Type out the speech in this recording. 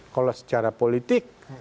kalau secara politik